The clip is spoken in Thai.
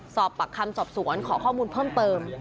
สอบปากคำสอบสวนขอข้อมูลเพิ่มเติม